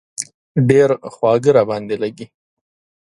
ډېر خواږه را باندې لږي.